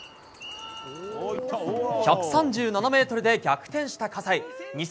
１３７ｍで逆転した葛西。